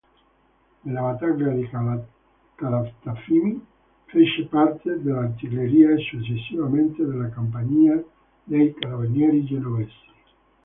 Nella Battaglia di Calatafimi fece parte dell’artiglieria e successivamente della compagnia dei Carabinieri Genovesi.